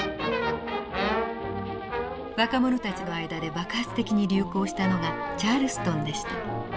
若者たちの間で爆発的に流行したのがチャールストンでした。